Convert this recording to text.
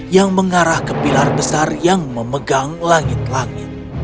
yang mengarah ke pilar besar yang memegang langit langit